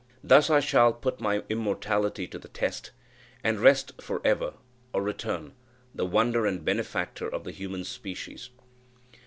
Thus I shall put my immortality to the test, and rest for ever or return, the wonder and benefactor of the human species.